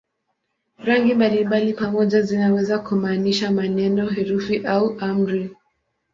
Rangi mbalimbali pamoja zinaweza kumaanisha maneno, herufi au amri.